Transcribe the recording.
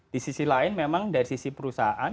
di sisi lain memang dari sisi perusahaan